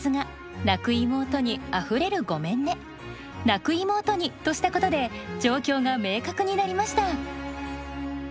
「泣く妹に」としたことで状況が明確になりました。